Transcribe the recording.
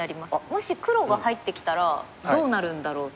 もし黒が入ってきたらどうなるんだろうとか。